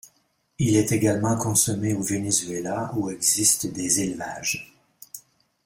Il est également consommé au Venezuela, où existent des élevages.